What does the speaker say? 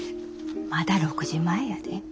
まだ６時前やで。